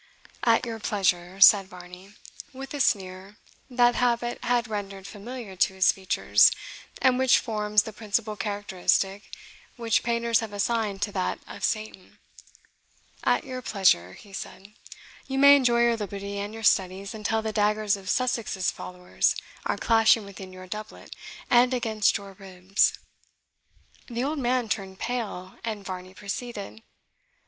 "At your pleasure," said Varney, with a sneer that habit had rendered familiar to his features, and which forms the principal characteristic which painters have assigned to that of Satan "at your pleasure," he said; "you may enjoy your liberty and your studies until the daggers of Sussex's followers are clashing within your doublet and against your ribs." The old man turned pale, and Varney proceeded.